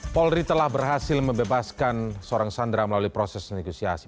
polri telah berhasil membebaskan seorang sandra melalui proses negosiasi